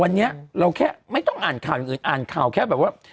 วันนี้เราแค่ไม่ต้องอ่านข่าวอย่างอื่นอ่านข่าวแค่แบบว่า